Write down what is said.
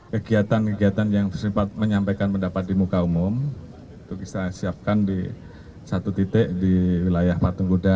kegiatan kegiatan yang bersifat menyampaikan pendapat di muka umum itu kita siapkan di satu titik di wilayah patung kuda